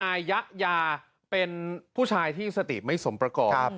อายะยาเป็นผู้ชายที่สติไม่สมประกอบ